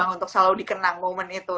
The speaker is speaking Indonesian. untuk selalu dikenang momen itu